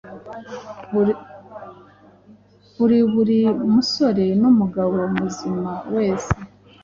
kuri buri musore n'umugabo muzima wese